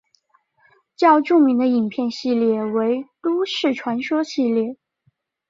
较著名的影片系列为都市传说系列。